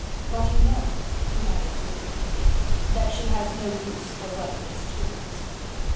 But you know," he added significantly, "that she has no use for worthless tools."